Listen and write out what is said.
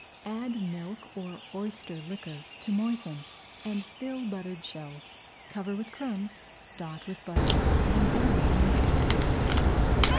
Add milk or oyster liquor to moisten and fill buttered shells. Cover with crumbs, dot with butter, and brown in the oven.